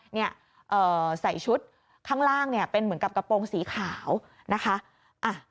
เนี่ยใส่ชุดข้างล่างเนี่ยเป็นเหมือนกับกระโปรงสีขาวนะคะ